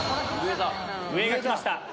上が来ました